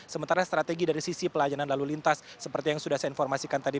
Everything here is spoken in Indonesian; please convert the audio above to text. sementara strategi dari sisi pelayanan lalu lintas seperti yang sudah saya informasikan tadi